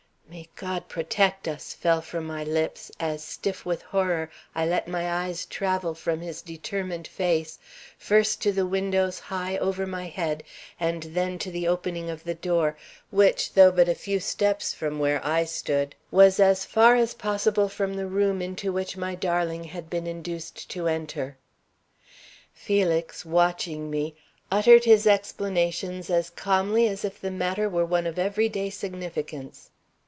"May God protect us!" fell from my lips, as, stiff with horror, I let my eyes travel from his determined face, first to the windows high over my head and then to the opening of the door, which, though but a few steps from where I stood, was as far as possible from the room into which my darling had been induced to enter. Felix, watching me, uttered his explanations as calmly as if the matter were one of every day significance.